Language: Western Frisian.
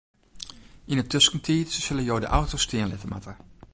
Yn 'e tuskentiid sille jo de auto stean litte moatte.